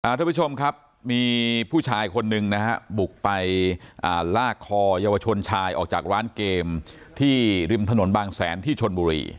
ทุกผู้ชมครับมีผู้ชายคนหนึ่งนะฮะบุกไปลากคอเยาวชนชายออกจากร้านเกมที่ริมถนนบางแสนที่ชนบุรี